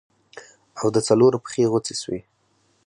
او د څلورو پښې غوڅې سوې.